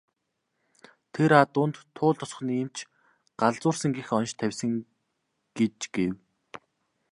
Тэр адуунд Туул тосгоны эмч "галзуурсан" гэх онош тавьсан гэж гэв.